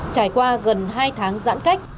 trải qua gần hai tháng giãn cách